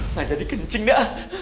nggak jadi kencing dia